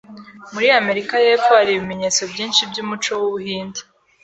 Muri Amerika yepfo, hari ibimenyetso byinshi byumuco wu Buhinde.